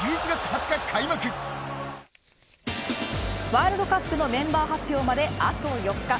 ワールドカップのメンバー発表まであと４日。